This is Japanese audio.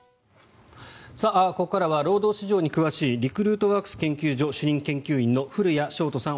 ここからは労働市場に詳しいリクルートワークス研究所主任研究員の古屋星斗さん